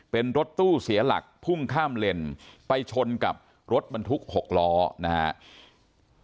เป็นรถตู้เสียหลักพุ่งข้ามเลนไปชนกับรถบรรทุก๖ล้อนะครับ